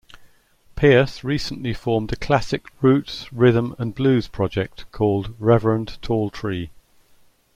Pierce recently formed a classic roots, rhythm and blues project called Reverend Tall Tree.